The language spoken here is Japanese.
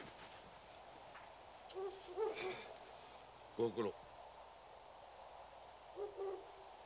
ご苦労。